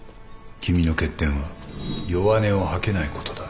君の欠点は弱音を吐けないことだ